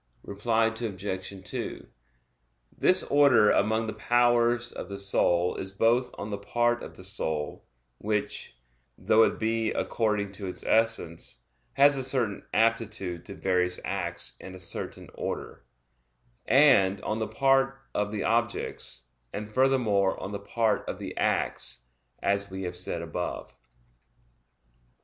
Reply Obj. 2: This order among the powers of the soul is both on the part of the soul (which, though it be one according to its essence, has a certain aptitude to various acts in a certain order) and on the part of the objects, and furthermore on the part of the acts, as we have said above.